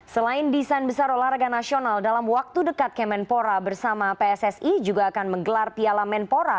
selain desain besar olahraga nasional dalam waktu dekat kemenpora bersama pssi juga akan menggelar piala menpora